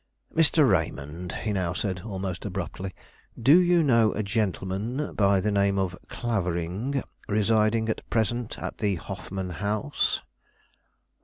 "Mr. Raymond," he now said, almost abruptly; "do you know a gentleman by the name of Clavering residing at present at the Hoffman House?"